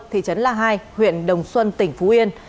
thị trấn la hai huyện đồng xuân tỉnh phú yên